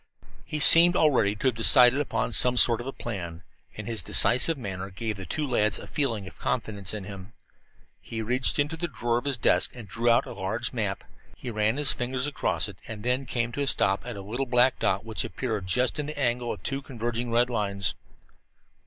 He seemed already to have decided upon some sort of a plan, and his decisive manner gave the two lads a feeling of confidence in him. He reached into a drawer of his desk and drew out a large map. He ran his fingers across it and then came to a stop at a little black dot which appeared just in the angle of two converging red lines.